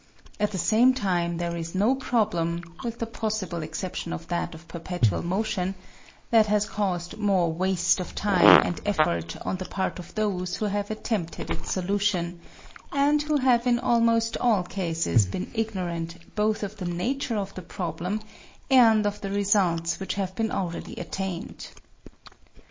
At the same time there is no problem, with the possible exception of that of perpetual motion, that has caused more waste of time and effort on the part of those who have attempted its solution, and who have in almost all cases been ignorant both of the nature of the problem and of the results which have been already attained.